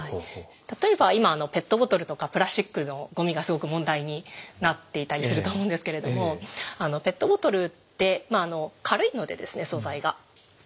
例えば今ペットボトルとかプラスチックのゴミがすごく問題になっていたりすると思うんですけれどもペットボトルってまあ軽いのでですね素材が。